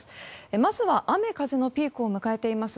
まずは雨風のピークを迎えています